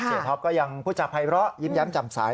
เสียท็อปก็ยังพูดจากภัยเบราะยิ้มแย้มจ่ำสาย